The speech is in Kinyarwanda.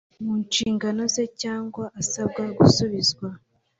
Mu nshingano ze cyangwa asaba gusubizwa